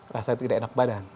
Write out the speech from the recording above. rasa tidak enak badan